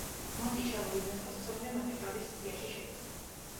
მონტიჩელო იუნესკოს მსოფლიო მემკვიდრეობის სიაში შედის.